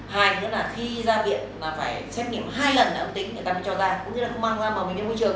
hai nữa là khi ra viện là phải xét nghiệm hai lần là ông tính người ta mới cho ra cũng như là không mang ra mà mình đến môi trường